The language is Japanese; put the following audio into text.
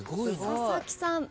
佐々木さん。